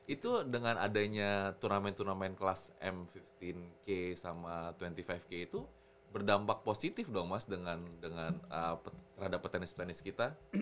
itu dengan adanya turnamen turnamen kelas m lima puluh k sama dua puluh lima k itu berdampak positif dong mas dengan terhadap petenis penis kita